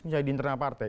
misalnya di internal partai